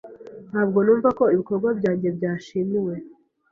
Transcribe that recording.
Ntabwo numva ko ibikorwa byanjye byashimiwe.